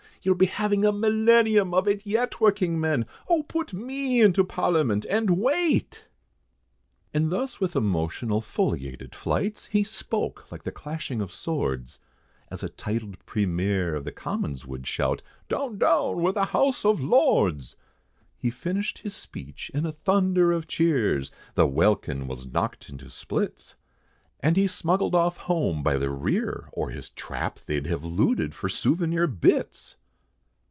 You'll be having a millenium of it yet, working men, O put me into Parliament, and wait!" And thus with emotional foliated flights, He spoke like the clashing of swords, As a titled Premier of the Commons would shout, "Down down with the House of Lords!" He finished his speech in a thunder of cheers, The welkin was knocked into splits, And he smuggled off home, by the rear, or his trap, They'd have looted for souvenir bits!